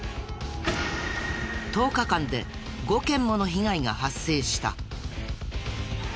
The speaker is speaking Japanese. １０日間で５件もの被害が発生した。